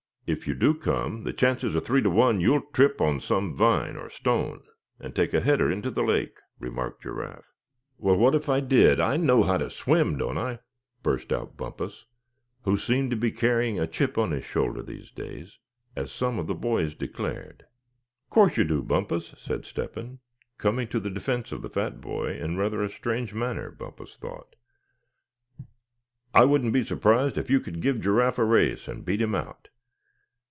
"If you do come, the chances are three to one you'll trip on some vine, or stone, and take a header into the lake," remarked Giraffe. "Well, what if I did, I know how to swim, don't I?" burst out Bumpus, who seemed to be carrying "a chip on his shoulder," these days, as some of the boys declared. "Course you do, Bumpus," said Step hen, coming to the defense of the fat boy in rather a strange manner, Bumpus thought; "I wouldn't be surprised if you could give Giraffe a race, and beat him out.